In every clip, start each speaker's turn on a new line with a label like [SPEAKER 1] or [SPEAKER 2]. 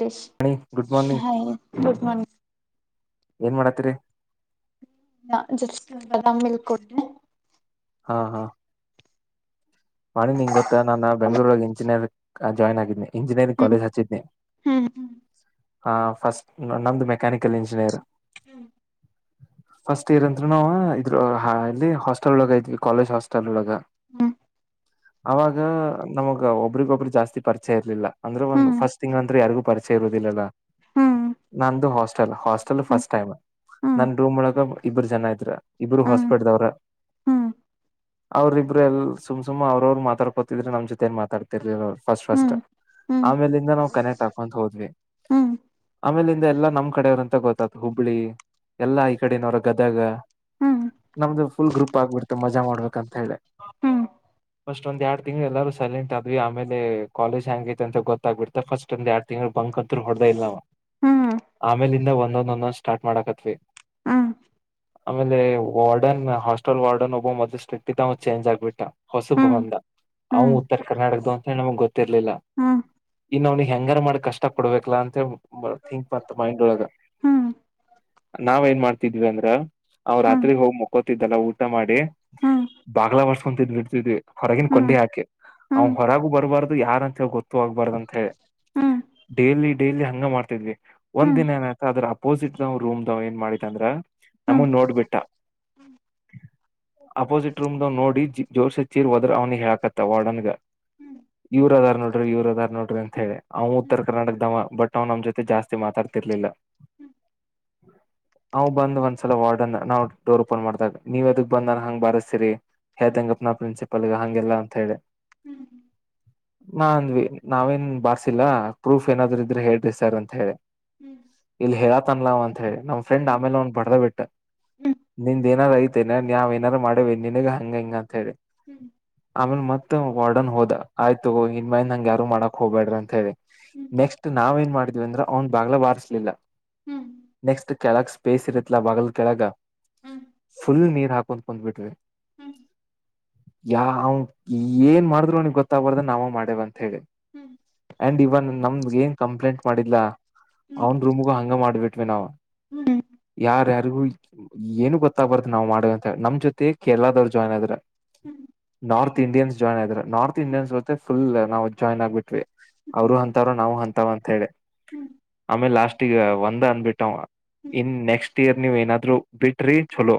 [SPEAKER 1] ಗರ್
[SPEAKER 2] ಮಣಿ good morning
[SPEAKER 1] ಹ good morning
[SPEAKER 2] ಏನ್ ಮಾಡತ್ತರಿ
[SPEAKER 1] ಜಷ್ಟದ ಮಲ್ಕೊಡ್ೆ
[SPEAKER 2] ಹಾ ಹಾ ಮಾಡಿ ನಿಂ್ ಗೊತ್ತಾ ನಾನ ಬೆಂಗ್ಳೂರ ಇಂಜಿನಿಯರ್ ಆ ಜಾಯ್ನ್ ಆಗಿದ್ದನನೆ ಇಂಜಿನಿಯರಿಂಗ್
[SPEAKER 1] ಹ್ಮ್
[SPEAKER 2] ಕಾಲೇಜ್ ಹಚ ನೀ
[SPEAKER 1] ಹ್ಮ್
[SPEAKER 2] ಹಾ ಫಸ್ಟ್ ನಮ್ದು ಮೆಕ್ಯಾನಿಕಲ್ ಇಂಜಿನಿಯರ್
[SPEAKER 1] ಹ್ಮ್
[SPEAKER 2] ಫಸ್ಟ್ ಇಯರ್ ಅಂತ್ರೂ ನಾವವು ಇದ್ರ ಇಲ್ಲಿ ಹಾಸ್ಟೆಲ್ ಒಳಗ ಇದ್ವಿ ಕಾಲೇಜ್ ಹಾಸ್ಟೆಲ್ ಒಳಗ
[SPEAKER 1] ಹ್ಮ್
[SPEAKER 2] ಆಾಗ ನಮಗ ಒಬ್ರಿಗೊಬ್್ರ ಜಾಸ್ತಿ ಪರಿಚಯ ಇರ್ಲಿಲ್ಲ ಅಂದ್ರೆ ಒಂದು
[SPEAKER 1] ಹ್ಮ್
[SPEAKER 2] ಫಸ್ಟ್ ತಿಂಗ್ ಅಂತ ಯಾರಿಗೂ ಪರಿಚಯ ಇರುವುದಿಲ್ಲಲ್ಲ
[SPEAKER 1] ಹ್ಮ್
[SPEAKER 2] ನಂದು ಹಾಸ್ಟೆಲ್ ಹಾಸ್ಟೆಲ್
[SPEAKER 1] ಹ್ಮ್
[SPEAKER 2] ಫಸ್ಟ್ ಟೈಮ್
[SPEAKER 1] ಹ್ಮ್
[SPEAKER 2] ನನ್ ರೂಮ್ ಒಳಗ ಇಬ್ಬರು ಜನ ಇದಐ್ರ ಇಬರು
[SPEAKER 1] ಹ್ಮ್
[SPEAKER 2] ಹಾಸ್ಪಿಟ್ದವ್ರ
[SPEAKER 1] ಹ್ಮ್ ಹ್ಮ್
[SPEAKER 2] ಅವ್ರ ಇಬ್ಬರು ಎಲ್ ಸುಮ್ುಮ ಅವರು ಮಾತಾಡ್ಕೋಿದ್ರ ನಮ್ಮ ಜೊತೆಏ ಮಾತಡ್ತಿರ್ರ ಅವರು ಫಸ್ಟ್ ಫಸ್ಟ್
[SPEAKER 1] ಹ್ಮ್
[SPEAKER 2] ಆಮೇಲಿಂದ ನಾವವು ಕನೆಕ್ಟ್ ಹಾಕೊ ಹೋದ್ವಿ
[SPEAKER 1] ಹ್ಮ್ ಹ್ಮ್
[SPEAKER 2] ಆಮೇಲಿಂದ ಎಲ್ಲ ನಮ್ ಕಡೆಯವರುಂತ ಗೊತ್ತ ಹುಬ್ಬಳಿ ಎಲ್ಲಾ ಈ ಕಡೆಿನವ್ರ ಗದಗ
[SPEAKER 1] ಹ್ಮ್
[SPEAKER 2] ನಮ್ದು ಫುಲ್ ಗ್ರೂಪ್ ಆಗ್ಬಿಡ್ತದೆ ಮಜಾ ಮಾಡಬೇಕ ಅಂತ ಹೇಳಿ
[SPEAKER 1] ಹ್ಮ
[SPEAKER 2] ಫಸ್ಟ್ ಒಂದ ಎರಡ್ ತಿಂಗಳು ಎಲ್ಲಾರೂ ಸೈಲೆಂಟ್ ಆದ್ವಿ ಆಮೇ ಕಾಲೇಜ್ ಹಂಗ ೈತೆ ಅಂತ ಗೊತ್ತಾಗಗ್ಬಿಡ್ತೆಫಸ್ಟ್ ಒಂದ ಎಡ್ ತಿಂಗಳು ಬಂಕ ಹೊಡೆದ ಇಲ್ಲ
[SPEAKER 1] ಹ್ಮ್
[SPEAKER 2] ಆಮೇಲೆ ಇ ಒಂದೊಂದ್ ಒಂದೊಂದ್ ಸ್ಟಾರ್ಟ್ ಮಾಡಕತ್ವಿ
[SPEAKER 1] ಹ್ಮ್
[SPEAKER 2] ಆಮೇಲೆ ವಾರ್ಡನ್ ಹಾಸ್ಟೆಲ್ ವಾರ್ಡನ್ ಒಬ್ಬ ಮೊದ್ ಸ್ಟ್ರಿಕ್ ಚೇಂಜ್ ಆಗ್ಬಿಟ್ಟ ಹೊಸ
[SPEAKER 1] ಹ್ಮ್
[SPEAKER 2] ಬಂದ ಅವ
[SPEAKER 1] ಹ್ಮ್
[SPEAKER 2] ಉತ್ತರ ಕರ್ನಾಟಕ್ದ ಅಂತಿ ನಮಗ್ ಗೊತ್ತಿರ್ಲಿಲ್ಲ
[SPEAKER 1] ಹ್ಮ್
[SPEAKER 2] ಇನ್ ಅವ್ನಗ್ ಹೆಂಗಾರ ಮಾಡಕ್ ಕಷ್ಟ ಕೊಡ್ಬೇಕಲಾ ಅಂತ ಂಕ್ ಮತ್ ಮೈಂಡ್ ಒಳಗ
[SPEAKER 1] ಹ್ಮ್
[SPEAKER 2] ನಾವ ಏನ್ ಮಾಡ್ತಿದ್ವಿ ಅಂದ್ರ ಅವ್ ರಾತ್ರಿ ಹೋಗಿ ಮುಕೋತಿದ್ದಲ್ಲ ಊಟ ಮಾಡಿ
[SPEAKER 1] ಹ್ಮ್
[SPEAKER 2] ಬಂಗ್ಲ ಭಾಷೆ ಸಟ್ಟಿ ವಿ ಹೊರಗನ್ ಕೊಂಡಿ ಹಾಕಿ ಅವ್
[SPEAKER 1] ಹ್ಮ್
[SPEAKER 2] ಹೊರಗು ಬರಬಾರ್ದು ಯಾರ ಅಂತ ಹೇಳ ಗೊತ್ತು ಆೋಗಬಾರ್ದ ಅಂತ ಹೇಳಿ ಡೈಲಿ ಡೈಲಿ ಹಂಗ ಮಾಡ್ತಿದ್ವಿ ಒಂದ
[SPEAKER 1] ಹ್ಮ್
[SPEAKER 2] ದಿನ ಏನಾಯ್ತ ಅದ್ರ ಅಪೋಸಿಟ್ ರೂಮ್ ಏನ್ ಮಾಡಿದ ಅಂದ್ರ
[SPEAKER 1] ಹ್ಮ್
[SPEAKER 2] ನಮ ನೋಡ್ಬಿಟ್ಟ ಅಪೋಸಿಟ್ ರೂಮ್ ದ ನೋಡಿ ಜೋರ್ಸ್ ಚೀರ್ ಹೋದ್ರ ಅವ್ನಿಗೆ ಹೇಳಕತ್ತ ವಾರ್ಡನ್ಗ ಇವ್ರ ಅದಾರ್ ನೋಡ್ರಿ ಇವ್ರ ಅದಾರ್ ನೋಡ್ರಿ ಅಂತ ಹೇಳಿ ಅವ ಉತ್ತರ ಕರ್ನಾಟಕ ದಮ್ಮ ಬಟ್ ಅವ್ ನಮ್ ಜೊತೆ ಜಾಸ್ತಿ ಮಾತಾಡ್ತಿರ್ಲಿಲ್ಲ ಅವ್ ಬಂದ್ ಒಂದ್ಸಲ ವಾರ್ಡನ್ ನಾ್ ಡೋರ್ ಓಪನ್ ಮಾಡ್ದಾಗ ನೀವದಕ್ ಬಂದನ್ ಹಂಗ್ ಬಾರತೀರಿ ಕತೆಂಗ ಪ್ರಸಿ ಪ್ಪಳಗ ಹಂಗೆಲ್ಲ ಅಂತ ಹೇಳಿ
[SPEAKER 1] ಹ್ಮ್
[SPEAKER 2] ನಾಂದ್ವಿ ನಾವೇನ್ ಬಾರ್ಸಿಲ್ಲ ಪ್ರೂಫ್ ಏನಾದ್ೂ ಇದ್ರೆ ಹೇಳ್ರಿ ಸರ್ ಅಂತ ಹೇಳಿ ಇಲ್ಹೇರಾ ಅನ್ಲವ ಅಂತ ಹೇಳಿ ನಮ್ಮ ಫ್ರಂಡ್ಮೇಲೆ ಒಂದ್ ಬಡದ ಬಿಟ್ಟ ನಿಮ ಏನಾರ ಐತೆೇನೆ ನಾವ ಏನಾರ ಮಾಡೇವೆ ನಿನಗ್ ಹಂಗ ಹಂಗ ಅಂತ ಹೇಳಿ ಆಮೇಲೆ ಮತ್ತ ವಾರ್ಡನ್ ಹೋದ ಆಯ್ತು ಇನ್ ಮನ್ ನಂಗ ಯಾರು ಮಾಡಕ್ ಹೋಗಬೇಡ್ರ ಅಂತ ಹೇಳಿ ನೆಕ್ಸ್ಟ್ ನಾವೇನು ಮಾಡಿದ್ವಿ ಅಂದ್ರ ಅವ್ನ ಬಾಗ್ಲ ವಾರಿಸ್ಲಿಲ್ಲ ನೆಕ್ಸ್ಟ್ ಕೆಳಗ ಸ್ಪೇಸ್ ಇರತ್ತಲ ಬಲ್ ಕೆಳಗ
[SPEAKER 1] ಹ್ಮ್
[SPEAKER 2] ಫುಲ್ ನೀರ್ ಹಾಕೊಂಡಂತ ಕುಂದ್ಬಟ್ವಿ
[SPEAKER 1] ಹ್ಮ್
[SPEAKER 2] ಯಾ ಅವ್ ಏನ್ ಮಾಡಿದ್ರು ಅವನಗ್ ಗೊತ್ತಾಗಬಾರ್ದ ನಾವ ಮಾಡೇವಂತ ಹೇಳಿ ಅಂಡ್ ಇವನ್ ನಮ ಏನ್ ಕಂಪ್ಲೇಂಟ್ ಮಾಡಿಲ್ಲ ಅವನ್ ರೂಮಗು ಹಂಗ ಮಾಡ್ಬಟ್ಟು ಿನ ಯಾರ ಏನು ಗೊತ್ತಾಗಗ್ಬಾರ್ದ ನಾವ್ ಮಾಡ ಅಂತ ನಮ್ ಜೊತೆ ಕೇರಳಾದವ್ರ ಜಾಯ್ನ್ ಆದ್ರ ನಾರ್ತ್ ಇಂಡಿಯನ್ಸ್ ಜಾಯ್ನ್ ಆದ್ರ ನಾರ್ತ್ ಇಂಡಿಯನ್ಸ್ತ್ತ ಫುಲ್ ನಾವವು ಜಾಯ್ನ್ ಆಗ್ಬಿಟ್ವಿ ಅವರು ಅಂತವಾರ ನಾವು ಅಂತಾವ ಅಂತ ಹೇಳಿ ಆಮೇ ಲಾಸ್ಟ್ಗ ಒಂದ ಅಂದಬಿಟ್ಟಾವ ಇನ್ ನೆಕ್ಸ್ಟ್ ಇಯರ್ ನೀವ್ ಏನಾದ್ರು ಬಿಟ್ರಿ ಚಲೋ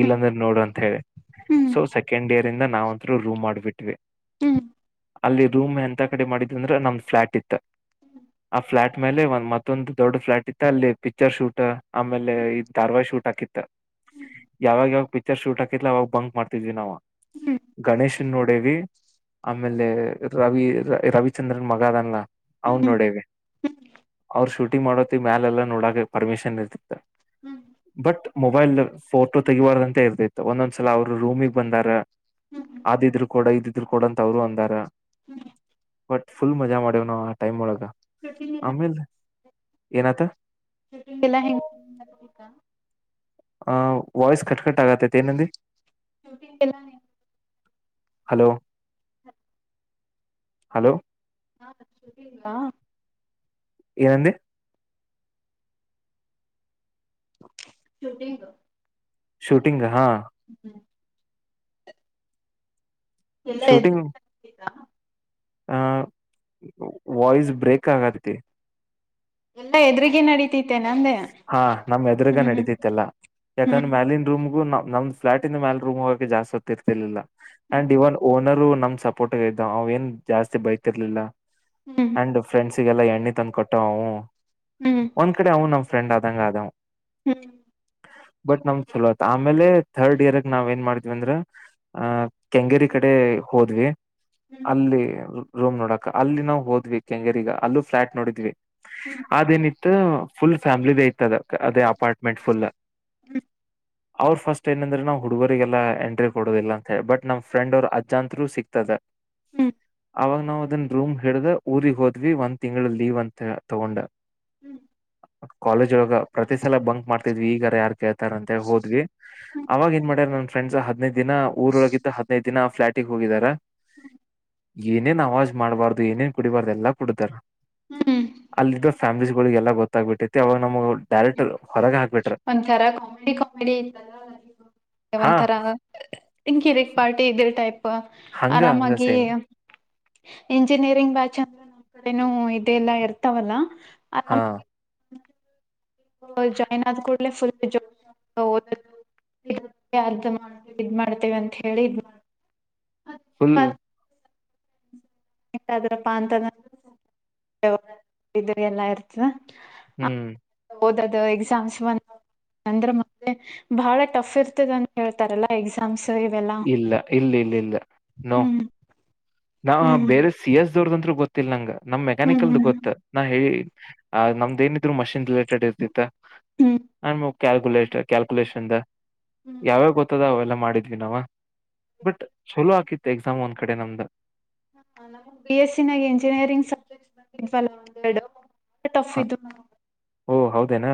[SPEAKER 2] ಇಲ್ಲಂದ್ರೆ ನೋಡು ಅಂತ ಹೇಳಿ ಸೊ ಸೆಕಂಡ್ ಯರ್ ಇಂದ ನಾವಂತ್ರೂ ರೂ್ ಮಾಡಿಬಿಟ್ಟವಿ
[SPEAKER 1] ಹ್ಮ್
[SPEAKER 2] ಅಲ್ಲಿ ರೂಮ್ ಎಂತ ಕಡೆ ಮಾಡಿದ್ಂದ್ರ ನಮ್ದ್ ಫ್ಲಾಟ್ ಇತ್ತ ಆ ಫ್ಲಾಟ್ ಮೇಲೆ ಒಂದ ಮತ್ತೊಂದು್ ದೊಡ್ಡ ಫ್ಲಾಟ್ ಇತ್ತ ಅಲ್ಲಿ ಪಿಕ್ಚರ್ ಶೂಟ್ ಆಮೇಲೆ ಧಾರವಾ ಶೂಟ್ ಹಾಕಿತ್ತ
[SPEAKER 1] ಹ್ಮ್
[SPEAKER 2] ಯಾವಾಗ ಯಾವಾಗ ಪಿಕ್ಚರ್ ಶೂಟ್ ಹಾಕಿತ್ತುಲ ಅವಾಗ ಬಂಕ್ ಮಾಡ್ತಿದ್ವಿ ನಾವು
[SPEAKER 1] ಹ್ಮ್
[SPEAKER 2] ಗಣೇಶನೋಡವಿ ಆಮೇಲೆ ರವಿ ರವಿಚಂದ್ರನ್ ಮಗ ಅದಲ್ಲ
[SPEAKER 1] ಹ್ಮ್
[SPEAKER 2] ಅವನ್ ನೋಡೇ
[SPEAKER 1] ಹ್ಮ್
[SPEAKER 2] ಅವ್ರ ಶೂಟಿಂಗ್ ಮಾಡೋತಿ ಮ್ಯಾಲ ಎಲ್ಲ ನೋಡಕ ಪರ್ಮಿಶನ್ ಇರ್ತಿತ್ತ
[SPEAKER 1] ಹ್ಮ್
[SPEAKER 2] ಬಟ್ ಮೊಬೈಲ್ ಫೋಟೋ ತಗಿಬಾರಂತ ಇರ್ದೈತ್ತು ಒಂದೊಂದ್ ಸಲ ಅವರು ರೂಮಿಗೆ ಬಂದಾಗ ಸ
[SPEAKER 1] ಹ್ಮ್
[SPEAKER 2] ಆದಿದ್ರು ಕೂಡ ಇದು ಇದ ಕೊಡಂತ ಅವ್ರು ಅಂದಾರ
[SPEAKER 1] ಹ್ಮ್
[SPEAKER 2] ಬಟ್ ಫುಲ್ ಮಜಾ ಮಾಡೇವ್ ನಾ ಆ ಟೈಮ್ ಒಳಗ
[SPEAKER 1] ಕಠನಲ್ಲ
[SPEAKER 2] ಆಮೇಲ್ ಏನತ
[SPEAKER 1] ಲ್ಲ ಹೆಂಗ ತ್ತ
[SPEAKER 2] ಆ ವಾಯ್ಸ್ ಕಟ್ಕಟ್
[SPEAKER 1] ಶ
[SPEAKER 2] ಹಲೋ ಹಲೋ
[SPEAKER 1] ನಾೀ
[SPEAKER 2] ಏನಂದ
[SPEAKER 1] ಶೂಟಿಂಗ್
[SPEAKER 2] ಶೂಟಿಂಗ್ ಹಾ
[SPEAKER 1] ಎಲ್ಲ
[SPEAKER 2] ಶೂಟಿಂಗ್ ಆ ವಾಯ್ಸ್ ಬ್ರೇಕ್ ಆಗತಿ
[SPEAKER 1] ಎಲ್ಲಾ ಎದ್ರಗ ನಡೀತಿ
[SPEAKER 2] ಹಾ ನಮ್ ಎದರುಗ ನಡೀಿತೈತೆಲ್ಲಾ ಯಾಕಂದ್ರೆ
[SPEAKER 1] ಹ್ಮ್
[SPEAKER 2] ಮ್ಯಾಲಿನ್ ರೂಮ್ಗು ನಮ್ದ ಫ್ಲಾಟಿನ ಮೇಾಲ ರೂಮ್ ಹೋಗಕ ಜಸ್ತಿತ್ತತಿರ್ತಿರ್ಲಿಲ್ಲ
[SPEAKER 1] ಹ್ಮ್
[SPEAKER 2] ಅಂಡ್ ಇವನ್ ಓನರ್ ಸಪೋರ್ಟ್ಗ ಇದ್ದ ಅವ ಏನ್ ಜಾಸ್ತಿ ಬೈತಿರ್ಲಿಲ್ಲ
[SPEAKER 1] ಹ್ಮ್
[SPEAKER 2] ಅಂಡ್ ಫ್ರೆಂಡ್ಸ್ ಎಲ್ಲಾ ಎಣ್ಣೆ ತಂದ್ ಕೊಟ್ಟವು
[SPEAKER 1] ಹ್ಮ್
[SPEAKER 2] ಒಂದ್ ಕಡೆ ಅವನ ಫ್ರೆಂಡ್ ಅದಂ ಹ್ಯದಂ
[SPEAKER 1] ಹ್ಮ್ ಹ್ಮ್
[SPEAKER 2] ಬಟ್ ನಮ್ ಚಲೋ ಆತ್ ಆಮೇಲೆ ಥರ್ಡ್ ಇಯರ್ಗ್ ನಾವ್ ಏನ್ ಮಾಡಿದ್ವಿ ಅಂದ್ರ ಆಹ ಕೆಂಗೇರಿ ಕಡೆ ಹೋದ್ವಿ ಅಲ್ಲಿ ರೂಮ್ ನೋಡಕ ಅಲ್ಲಿ ನಾವು ಹೋದ್ವಿ ಕೆಂಗರಿಗ ಫ್ಲಾಟ್ ನೋಡಿದ್ವಿ
[SPEAKER 1] ಹ್ಮ್
[SPEAKER 2] ಅದೇನಿತ್ತು ಪುಲ [unintelligible] ಫಾಮಲಿ ಐತದ ಅದೇ ಅಪಾರ್ಟ್ಮೆಂಟ್ ಫುಲ್ ಅವ್ರ ಫಸ್ಟ್ ಏನಂದ್ರೆ ನಾವ್ ಹುಡುಗರಿಗೆಲ್ಲಾ ಎಂಟ್ರಿ ಕೊಡೋದಿಲ್ಲ ಅಂತ ಹೇಳಿ ಬಟ್ ನಮ್ ಫ್ರೆಂಡ್ ಅವರು ಅಜ್ಜಾಂತರು ಸಿಗ್ತದೆ
[SPEAKER 1] ಹ್ಮ್
[SPEAKER 2] ಅವಾಗ ನಾವ್ ಅದನ್ ರೂಮ್ ಹೇಳಡ್ದ ಊರಿಗೆಗ್ ಹೋದ್ವಿ ಒಂದ್ ತಿಂಗ್ಳ ಲೀವ್ ಅಂತ ತಗೊಂಡ
[SPEAKER 1] ಹ್ಮ್
[SPEAKER 2] ಕಾಲೇಜ್ ಒಳಗ ಪ್ರತಿ ಸಲ ಬಂಕ್ ಮಾಡ್ತಿದ್ವಿ ಈಗಾರ ಯಾರ್ ಕೇಳ್ತಾರ ಅಂತ ಹೋದ್ವಿ ಅವವಾಗ ಏನ್ ಮಾಡ್ಯಾರ್ ನನ್ ಫ್ರೆಂಡ್ಸ್ ಹದ್ನೈದ್ ದಿನ ಊರೊಳಗಿಂತ ಹದ್ನೈದ ದಿನ ಫ್ಲಾಟಗ್ ಹೋಗಿದಾರ ಏನೇನ್ ಅವಾಜ್ ಮಾಡ್ಬಾರ್ದು ಏನೇನ್ ಕುಡಿಬಾರ್ದು ಎಲ್ಲಾ ಕುಡತಾರ
[SPEAKER 1] ಹ್ಮ್
[SPEAKER 2] ಇ ಫ್ಯಾಮಿಲಿಸ್ಗಳಿಗೆಲ್ಲ ಗೊೆ ಬ ಬಿಟ್ಟೈತಿ ಅವಾಗ ನಮ್ ಡೈರೆಕ್ಟ್ ಹೊಗೆ
[SPEAKER 1] ಒಂಥರ ಕಾಮಿಡಿ ಕಾಮಿಡಿ
[SPEAKER 2] ಹಾ
[SPEAKER 1] ಒಂಥರಂಿಕ್ ಪಾರ್ಟಿ ಇದಿ
[SPEAKER 2] ಹಂಗ ಹಂಗ
[SPEAKER 1] ಆರಾಮಾಗಿ
[SPEAKER 2] ಸೇಮ್
[SPEAKER 1] ಇಂಜಿನಿಯರಿಂಗ್ ಬ್ಯಾಚ್ ಅಂದ್ರೆ ನಮ್ಮ್ ಕಡೆನೂ ಇದೆಲ್ಲಾ ಇರ್ತವಲ್ಲ
[SPEAKER 2] ಹಾ
[SPEAKER 1] ಆಾಮ ಜಾಯಿನ್ ಆದ ಕೂಡ್ಲೆ ಫುಲ್ ಇದ ಮಾಡ್ತೇವೆ ಅಂತ ಹೇಳಿಿದ್
[SPEAKER 2] ಪೂಲ್
[SPEAKER 1] ದ್ರಪ್ಪ ಅಂತ ಇ ಎಲ್ಲ ಇರ್ತದ
[SPEAKER 2] ಹ್ಮ್
[SPEAKER 1] ಹಓದದು ಎಕ್ಸಾಮ್ಸ್ ಬಂದ ಅಂದ್ರೆ ಮೆ ಬಹಳ ಟಫ್ ಇರ್ತದ ಅಂತ ಹೇಳ್ತಾರಲ್ಲ ಎಕ್ಸಾಮ್ಸ್ ಇವೆಲ್ಲಾ
[SPEAKER 2] ಇಲ್ಲ ಇಲ್ಲ ಇಲ್ಲ ಇಲ್ಲ ನೋ.
[SPEAKER 1] ಹ್ಮ್
[SPEAKER 2] ನಾ
[SPEAKER 1] ಹ್ಮ್
[SPEAKER 2] ಬೇರೆ ಸಿ-ಎಸ್ದವರ್ದ್ ಅಂತ್ರು ಗೊ ತೆಲಂಗ ನಮ್
[SPEAKER 1] ಹ್ಮ್
[SPEAKER 2] ಮೆಕ್ಯಾನಿಕಲ್ದ
[SPEAKER 1] ಹ್ಮ್
[SPEAKER 2] ಗೊತ್ತ ನಾ ಹೇಳಿ ಆ ನಮ್ದ್ ಏನಿದ್ರು ಮಷಿನ್ ರಿಲೇಟೆಡ್ ಡ ಇರ್ತಿತ್ತ
[SPEAKER 1] ಹ್ಮ್
[SPEAKER 2] [unintelligible] ಕ್ಯಾಲ್ಕುಲೇಟರ್ ಕ್ಯಾಲ್ಕುಲೇಷನ್ದ
[SPEAKER 1] ಹ್ಮ್
[SPEAKER 2] ಯಾವ್ಯಾವ್ ಗೊತ್ತ್ ಅದಾವ್ ಅವೆಲ್ಲ ಮಾಡಿ ನವಾ ಬಟ್ ಚಲೋ ಆಕಿತ್ತ್. ಎಕ್ಸಾಮ್ ಒಂದ ಕಡೆ ನಮ್ದ.
[SPEAKER 1] ಬಿ-ಎಸ್ಸಿನಾಗ, ಎಂಜಿನಿಯರಿಂಗ್ [unintelligible] ಒಂದೆರಡು. ಎಟ್ಟ್ ಟಫ್ ಇದ್ರುನು
[SPEAKER 2] ಓಹ ಹೌದೇನ.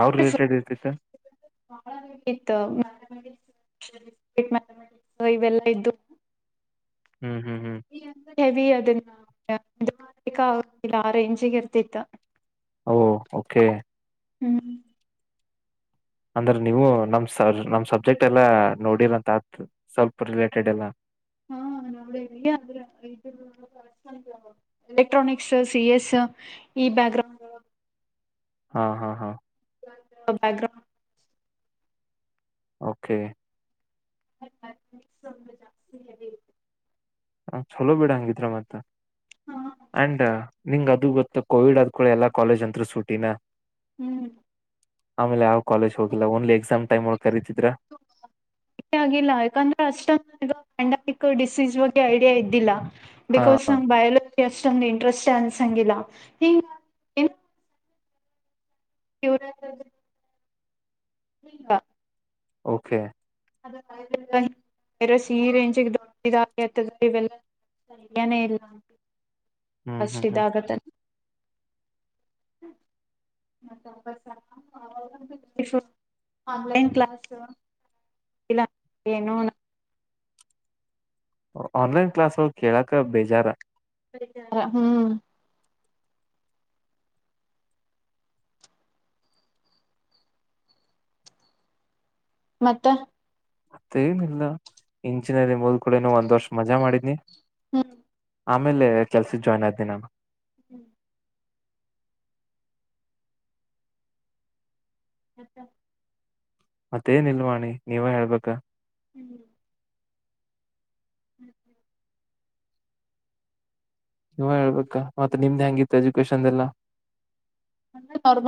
[SPEAKER 1] [unintelligible] ಇವೆಲ್ಲಾ ಇದ್ದು
[SPEAKER 2] ಹ್ಮ್ ಹ್ಮ್ ಹ್ಮ್.
[SPEAKER 1] [unintelligible] ರೇಂಜಿಗೆರ್ತಿತ್ತ್.
[SPEAKER 2] ಓ ಓಕೆ.
[SPEAKER 1] ಹ್ಮ್
[SPEAKER 2] ಅಂದ್ರೆ ನೀವು ನಮ್ ನಮ್ ಸಬ್ಜೆಕ್ಟ್ ಎಲ್ಲಾ ನೋಡಿರಂತ ಆತ್ ಸ್ವಲ್ಪ್ ರಿಲೇಟೆಡ್ ಎಲ್ಲ.
[SPEAKER 1] ಹಾ ಎಲೆಕ್ಟ್ರೋಕ್ಸ್, ಸಿ-ಎಸ್ ಈ ಬ್ಯಾಗ್ ಗ್ರೌಂಡ್ ಒಳಗ್
[SPEAKER 2] ಹಾ ಹಾ ಹಾ.
[SPEAKER 1] ಬ್ಯಾಕ್ ಗ್ರೌಂಡ್
[SPEAKER 2] ಓಕೆ
[SPEAKER 1] [unintelligible]
[SPEAKER 2] ಹ ಚಲೋ ಬಿಡ ಹಂಗಿದ್ರ ಮತ್ತ.
[SPEAKER 1] ಹಾ
[SPEAKER 2] ಆಂಡ್ ನಿಂಗ ಇದು ಗೊತ್ತು ಕೋವಿಡ್ ಆದ್ಕುಳೆ ಎಲ್ಲ ಕಾಲೇಜ್ ಅಂತರು ಸೂಟಿ.
[SPEAKER 1] ಹ್ಮ್
[SPEAKER 2] ಆಮೇಲೆ ಅವ್ರ ಕಾಲೇಜ್ ಹೋಗಿಲ್ಲ ಓನ್ಲಿ ಎಕ್ಸಾಮ್ ಟೈಮ್ ಒಳಗ್ ಕರೀತಿದ್ರ
[SPEAKER 1] ಷ್ಟ ಆಗಿಲ್ಲ ಯಾಕಂದ್ರೆ ಅಷ್ಟ ಪಂಡಮಿಕ್ ಡಿಸೀಸ್ ಬಗ್ಗೆ ಐಡಿಯಾ ಇದ್ದಿಲ್ಲಾ.
[SPEAKER 2] ಹಾ
[SPEAKER 1] ಬಿಕಾಸ್ ಸಮ್ ಬಾಯಲ್ ಅಷ್ಟೊಂದ ಇಂಟ್ರೆಸ್ಟ್ ಅನ್ಸಂಗಿಲ್ಲ [unintelligible] [unintelligible] ಅ
[SPEAKER 2] ಓಕೆ
[SPEAKER 1] ವೈರಸ್ ಈ ರೇಂಜಿಗೆ ದೊಡ್ಡಿದ ಇವೆಲ್ಲನೇ ಇಲ್ಲ
[SPEAKER 2] ಹ್ಮ್
[SPEAKER 1] ಅಷ್ಟ
[SPEAKER 2] ಹ್ಮ್
[SPEAKER 1] ಇದ
[SPEAKER 2] ಹ್ಮ್
[SPEAKER 1] ಆಾಗತ್ತಲ್ಲ ಕ್ ಏ
[SPEAKER 2] ಆನ್ಲೈನ್ ಕ್ಲಾಸ್ ಕೇಳಕ ಬೇಜಾರ
[SPEAKER 1] ಾರ ಹ್ಮ್ ಮತ್ತ
[SPEAKER 2] ಮತ್ತ ಏನಿಲ್ಲ ಇಂಚಿನಲ್ಲಿ ಮುದ್ಕೂಡನು ಒಂದ್ ವರ್ಷ ಮಜಾ ಮಾಡಿದ್ನಿ
[SPEAKER 1] ಹ್ಮ್
[SPEAKER 2] ಆಮೇಲೆ ಕೆಲ್ಸದ ಜಾಯಿ ನ್ ಆದಿನ ನ
[SPEAKER 1] ಹ್ಮ್ ಹತ
[SPEAKER 2] ಮತ್ತೇನ್ ಇಲ್ವಾಣಿ ನೀವೇ ಹೇಳ್ಬೇಕ
[SPEAKER 1] ಹ್ಮ್ ಹ್ಮ
[SPEAKER 2] ನೀವ ಹೇಳ್ಬೇಕಾ ಮತ್ತೆ ನಿಮ್ದ್ ಹೆಂಗಿತ್ತು ಎಜುಕೇಶನ್ ಎಲ್ಲ
[SPEAKER 1] ನಂದ ಅವರ್ಬ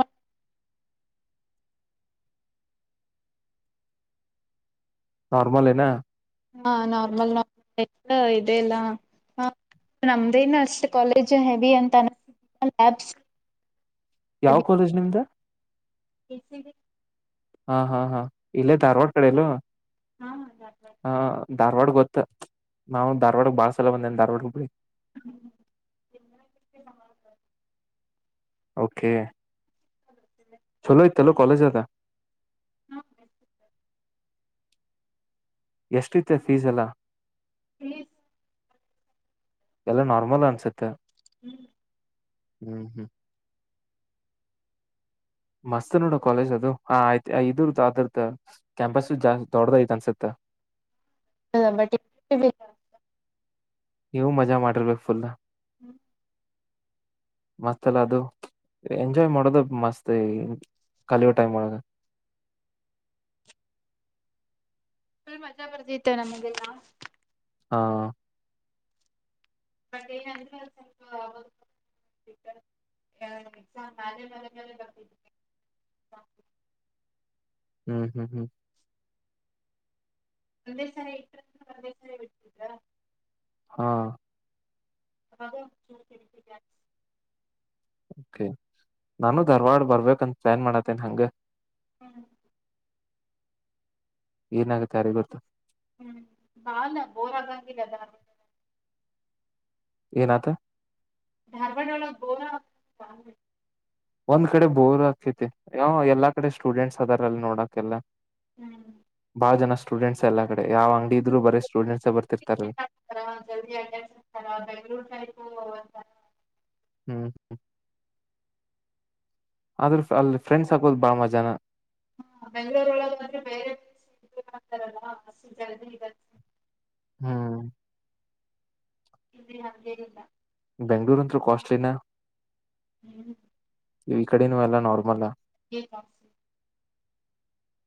[SPEAKER 2] ನೋಾರ್ಮಲ್ ನ
[SPEAKER 1] ಹಾ ನಾರ್ಮಲ್ ನಾರ್ಮಲ್ ಇದೆಲ್ಲ ನಮ್ದೇನು ಅಷ್ಟ ಕಾಲೇಜು ಹೆವಿ ಅಂತಯಾ
[SPEAKER 2] ಯಾವ ಕಾಲೇಜ್ ನಿಮ್ದ
[SPEAKER 1] ಎಸ
[SPEAKER 2] ಹಾ ಹಾ ಹಾ ಇಲ್ಲೇ ಧಾರವಾಡ ಕಡೆಯಲ್ಲ
[SPEAKER 1] ಹಾ ಹ
[SPEAKER 2] ಧಾರವಾಡ ಗೊತ್ತ ನಾವು ಧಾರ್ವಾಡಗೆ ಬಾಸ್ ಚಲ ಬಂದವಾ ಬಿಡಿ
[SPEAKER 1] ಹ್ಮ
[SPEAKER 2] ಓಕೆ ಚಲೋಯ ತಲ ಕಲೆಜ ಅದ
[SPEAKER 1] ಹ್ಮ
[SPEAKER 2] ಎಷ್ಟ ರೀತ್ಯ ಫೀಸ್ ಎಲ್ಲ
[SPEAKER 1] ಹ
[SPEAKER 2] ಎಲ್ಲ ನಾರ್ಮಲ್ ಅನ್ಸುತ್ತೆ
[SPEAKER 1] ಹ್ಮ್
[SPEAKER 2] ಹ್ಮ್ ಹ್ಮ್ ಮಸ್ತ್ ನೋಡ ಕಾಲೇಜ್ ಅದು ಹ ಆಯ್ತ ಇದರ್ ಅರ್ ಕ್ಯಾಂಪಸ್ ಜಾಸ್ ದೊಡ್ಡದ ಐ್ತ್ ಅನ್ಸತ್ತ
[SPEAKER 1] ಹ ಬಟ್ಟ
[SPEAKER 2] ನೀವು ಮಜಾ ಮಾಡಿರ್ಬೇಕು ಫುಲ್ಾ
[SPEAKER 1] ಹ್ಮ್
[SPEAKER 2] ಮಸ್ ಅಲ್ಲ ಅದು ಎಂಜಾಯ್ ಮಾಡದ ಮಸ್ತ್ ಈ ಕಲಿಯೋ ಟೈಮ್ ಒಳಗ
[SPEAKER 1] ಮಜಾ ಬರ್ದಿತ್ತು ನಮಗೆಲ್ಲಾ
[SPEAKER 2] ಹಾ
[SPEAKER 1] ಬಟ್ ಏನಂದ್ರೆ ಸ್ವಲ್ಪ ಬ
[SPEAKER 2] ಹ್ಮ್ ಹ್ಮ್ ಹ್ಮ್
[SPEAKER 1] ಒಂದೇ ಇಂದೇ
[SPEAKER 2] ಹಾ
[SPEAKER 1] ಅ
[SPEAKER 2] ನಾನು ಧಾರ್ವಾಡ ಬರ್ಬೇಕಂತ ಪ್ಲಾನ್ ಮಾಡತ್ತೇನ್ ಹಂಗ
[SPEAKER 1] ಹ್ಮ್
[SPEAKER 2] ಏನಾಗುತ್ತೆ ಯಾರೆ ಗೊತ್ತು
[SPEAKER 1] ಹ್ಮ್ ಬಾಳ ಬೋರ್ ಆಗಂಗಲ್ಲ ಅದ
[SPEAKER 2] ಏನತ
[SPEAKER 1] ಧರ್ಮಡಳ ಗೋರ
[SPEAKER 2] ಒಂದ್ ಕಡೆ ಬೋರ್ ಹಾಕತಿ ಅ ಎಲ್ಲಾ ಕಡೆ ಸ್ಟೂಡೆಂಟ್ಸ್ ಅದಾರಲ್ಲಿ ನೋಡಕೆಲ್ಲ
[SPEAKER 1] ಹ್ಮ್
[SPEAKER 2] ಆ ಜನ ಸ್ಟೂಡೆಂಟ್ಸ್ಲ್ಲ
[SPEAKER 1] ಜಿ ಆ ಬೆಂಗೂರುು ಹ
[SPEAKER 2] ಹ್ಮ್ ಹ್ಮ್ ಆದ್ರ ಅಲ್ಲಿ ಫ್ರೆಂಡ್ಸ್ ಹಾಕೋದು್ ಬಾ ಮಜಾನ
[SPEAKER 1] ಹಾ ಬೆಂಗ್ಗಳೂರ ಒಳಗಂದ್ರೆ ಬೇರೆ ಬ ಆಗ್ತಾರಲ್ಲ ಬಸ್ ಜದಿ
[SPEAKER 2] ಹ್ಮ್
[SPEAKER 1] ಇ ನಂಗೇನಲ್ಲ
[SPEAKER 2] ಬೆಂಗ್ಳೂರು ಅಂತೂ ಕಾಸ್ಟ್ಲಿಿನ
[SPEAKER 1] ಹ್ಮ್
[SPEAKER 2] ಇ್ ಈ ಕಡೆನು ಎಲ್ಲ ನಾರ್ಮಲ್
[SPEAKER 1] ಹ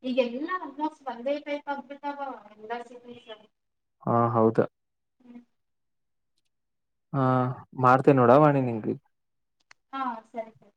[SPEAKER 1] ಈಗೆಲ್ಲಾ ಅ ಒಂದೇತೈ ಅಂದಬಿಟ್ಟಾವ ಎಲ್ಲ ಸಿ
[SPEAKER 2] ಹಾ ಹೌದಾ ಹಾ ಮಾಡ್ತೇ ನೋಡ ವಾಣಿ ನಿಂಗ್ಗೆ
[SPEAKER 1] ಹಾ ಸರಿ ಸರಿ